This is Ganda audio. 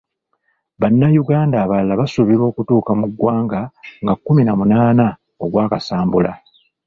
Bannayuganda abalala basuubirwa okutuuka mu ggwanga nga kkumi na munaana ogwa Kasambula.